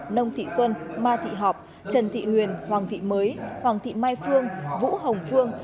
nông thị xuân ma thị họp trần thị huyền hoàng thị mới hoàng thị mai phương vũ hồng phương